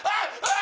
あ！